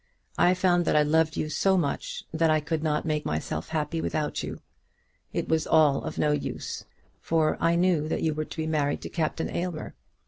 I found that I loved you so much that I could not make myself happy without you. It was all of no use, for I knew that you were to be married to Captain Aylmer.